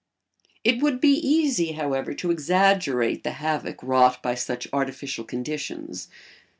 ] It would be easy, however, to exaggerate the havoc wrought by such artificial conditions.